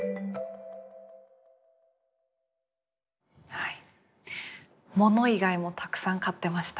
はい物以外もたくさん買ってましたね。